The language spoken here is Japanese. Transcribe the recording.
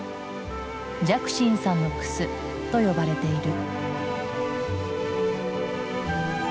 「寂心さんのクス」と呼ばれている。